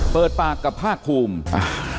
เปิดปากกับภาคภูมิ